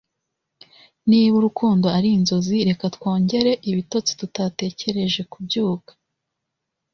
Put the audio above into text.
niba urukundo arinzozi, reka twongere ibitotsi tutatekereje kubyuka